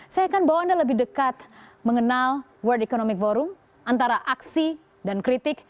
saya akan bawa anda lebih dekat mengenal world economic forum antara aksi dan kritik